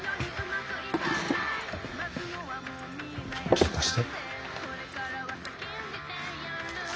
ちょっと貸して。